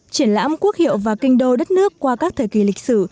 triển lãm quốc hiệu và kinh đô đất nước qua các thời kỳ lịch sử